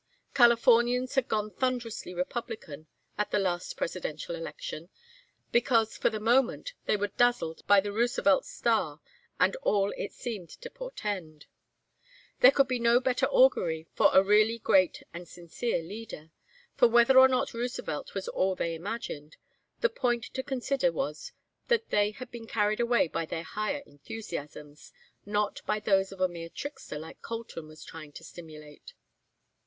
Californians had gone thunderously Republican at the last Presidential election, because for the moment they were dazzled by the Roosevelt star and all it seemed to portend. There could be no better augury for a really great and sincere leader; for whether or not Roosevelt was all they imagined, the point to consider was that they had been carried away by their higher enthusiasms, not by those a mere trickster like Colton was trying to stimulate.